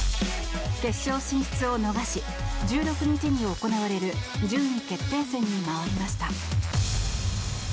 決勝進出を逃し１６日に行われる順位決定戦に回りました。